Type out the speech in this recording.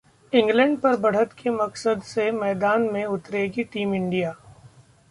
England पर बढ़त के मकसद से मैदान में उतरेगी टीम इंडिया